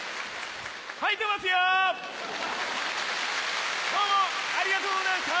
はいてますよ！どうもありがとうございました！